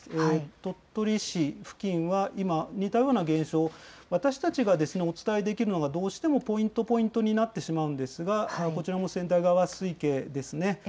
鳥取市付近は、今、似たような現象、私たちがお伝えできるのは、どうしてもポイントポイントになってしまうんですが、こちらも千代川水系ですね。